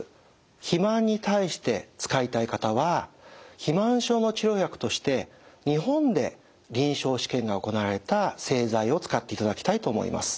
肥満に対して使いたい方は肥満症の治療薬として日本で臨床試験が行われた製剤を使っていただきたいと思います。